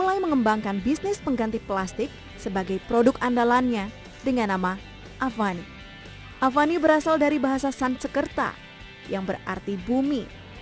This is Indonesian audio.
semakin memantapkan idenya ia pun mempelajari plastik plastik ramah lingkungan yang diproduksi